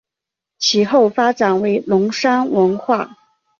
其后发展为龙山文化。